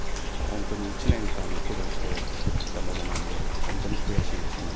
本当に１年間苦労して作ってきたものなんで、本当に悔しいですね。